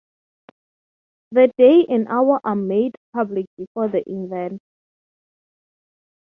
The day and hour are made public before the event.